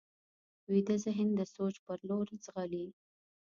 ویده ذهن د سوچ پر لور ځغلي